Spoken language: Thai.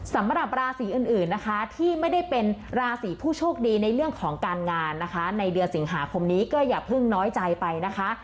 สำหรับราศีอื่นนะคะที่ไม่ได้เป็นราศีผู้โชคดีในเรื่องของการงานนะคะในเดือนสิงหาคมนี้ก็อย่าเพิ่งน้อยใจไปนะคะ